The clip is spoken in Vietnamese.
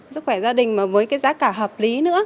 sức khỏe gia đình mà với cái giá cả hợp lý nữa